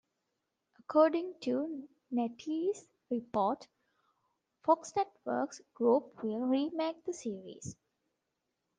According to Netease Report, Fox Networks Group will remake the series.